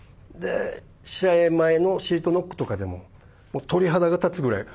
試合前のシートノックとかでももう鳥肌が立つぐらい。